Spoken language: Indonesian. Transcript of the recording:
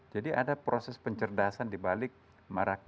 jadi ada proses pencerdasan dibalik marahan